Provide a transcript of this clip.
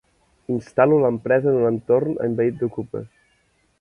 Instal·lo l'empresa en un entorn envaït d'okupes.